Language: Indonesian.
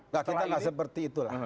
enggak kita gak seperti itu lah